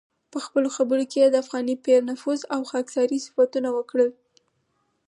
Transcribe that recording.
په خپلو خبرو کې یې د افغاني پیر نفوذ او خاکساري صفتونه وکړل.